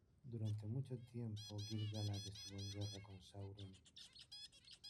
Durante mucho tiempo, Gil-Galad estuvo en guerra con Sauron.